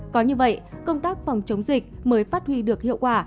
có như vậy công tác phòng chống dịch mới phát huy được hiệu quả